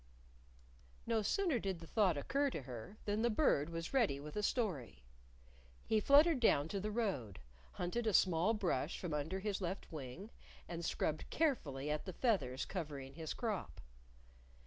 No sooner did the thought occur to her than the Bird was ready with a story. He fluttered down to the road, hunted a small brush from under his left wing and scrubbed carefully at the feathers covering his crop.